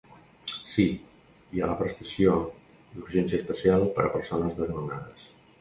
Sí, hi ha la prestació d'urgència especial per a persones desnonades.